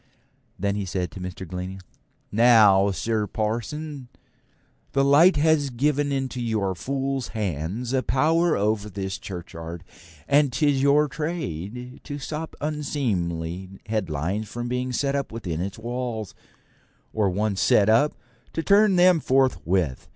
Then he said to Mr. Glennie: 'Now, Sir Parson, the law has given into your fool's hands a power over this churchyard, and 'tis your trade to stop unseemly headlines from being set up within its walls, or once set up, to turn them out forthwith.